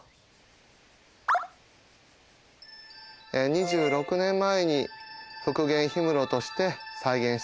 ２６年前に復元氷室として再現しております。